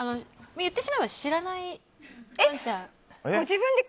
言ってしまえば知らないワンちゃんで。